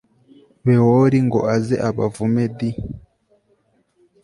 bewori ngo aze abavume d